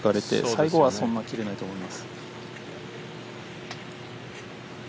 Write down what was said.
最後はそんなに切れないと思います。